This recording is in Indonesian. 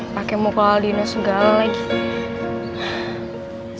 pake muka aldino segala gitu